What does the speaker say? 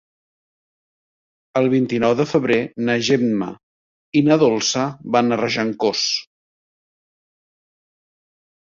El vint-i-nou de febrer na Gemma i na Dolça van a Regencós.